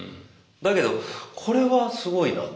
だけどこれはすごいな。